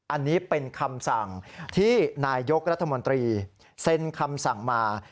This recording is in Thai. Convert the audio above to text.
อันนี้เป็นคำสั่งที่นายยกรัฐมนตรีเซ็นคำสั่งมา